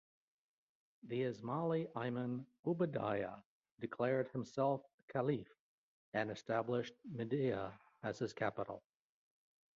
The Ismaili imam, Ubaydallah, declared himself caliph and established Mahdia as his capital.